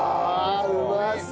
うまそう。